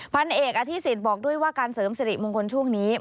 พันเอกอธิษิตบอกด้วยว่าการเสริมสิริมงคลช่วงนี้